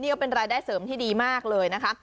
ก็เป็นรายได้เสริมที่ดีมากเลยนะคะ